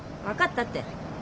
分かったって。